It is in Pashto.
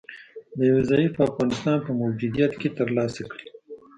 د یو ضعیفه افغانستان په موجودیت کې تر لاسه کړي